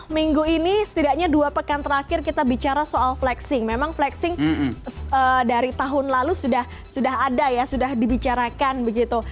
minggu ini setidaknya dua pekan terakhir kita bicara soal flexing memang flexing dari tahun lalu sudah ada ya sudah dibicarakan begitu